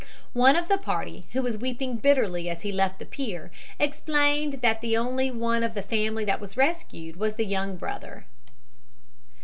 One of the party, who was weeping bitterly as he left the pier, explained that the only one of the family that was rescued was the young brother.